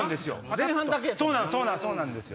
そうなんです。